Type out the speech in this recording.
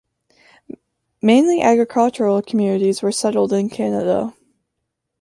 Mainly agricultural communities were settled in Canada.